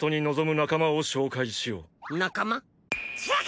仲間？